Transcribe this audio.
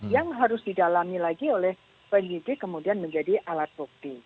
yang harus didalami lagi oleh penyidik kemudian menjadi alat bukti